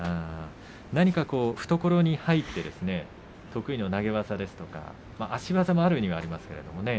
何か懐に入って得意の投げ技ですとか足技もあるにはありますがね。